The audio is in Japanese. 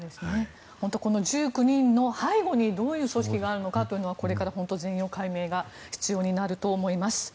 本当に１９人の背後にどういう組織があるのかというのはこれから本当に全容解明が必要になると思います。